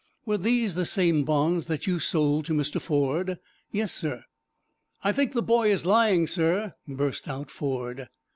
"Were these the same bonds that you sold to Mr. Ford?" "Yes, sir." "I think the boy is lying, sir," burst out Ford.